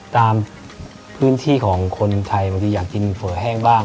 ตามพื้นที่ของคนไทยบางทีอยากกินเฝอแห้งบ้าง